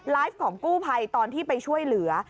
ของกู้ภัยตอนที่ไปช่วยเหลือ